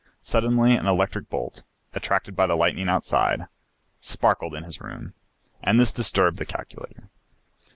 Suddenly an electric bolt, attracted by the lightning outside, sparkled in his room, and this disturbed the calculator.